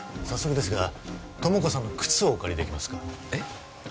早速ですが友果さんの靴をお借りできますかえっ？